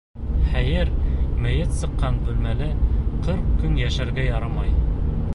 Хәйер, мәйет сыҡҡан бүлмәлә ҡырҡ көн йәшәргә ярамай.